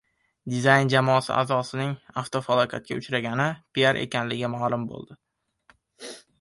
"Dizayn" jamoasi a’zosining avtofalokatga uchragani "piar" ekanligi ma’lum bo‘ldi